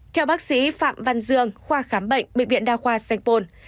theo bác sĩ phạm văn dương khoa khám bệnh bệnh viện đa khoa sanh pôn